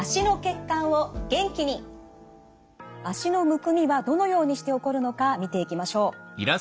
脚のむくみはどのようにして起こるのか見ていきましょう。